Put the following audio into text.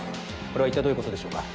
これは一体どういう事でしょうか？